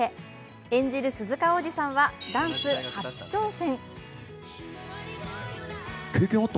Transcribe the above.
演じる鈴鹿央士さんはダンス初挑戦。